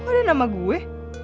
kok ada nama gue